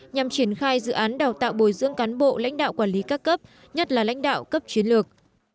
nhằm triển khai dự án đào tạo bồi dưỡng cán bộ lãnh đạo quản lý các cấp nhất là lãnh đạo cấp chiến lược